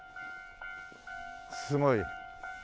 すごい。